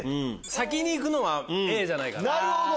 先に行くのはＡじゃないかな？と。